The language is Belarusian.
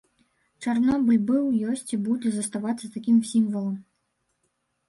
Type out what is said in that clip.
Чарнобыль быў, ёсць і будзе заставацца такім сімвалам.